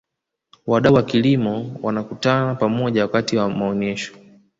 wadau wa kilimo wanakutana pamoja wakati wa maonyesho